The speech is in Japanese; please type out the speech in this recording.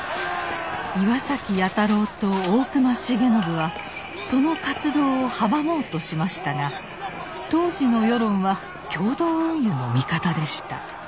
岩崎弥太郎と大隈重信はその活動を阻もうとしましたが当時の世論は共同運輸の味方でした。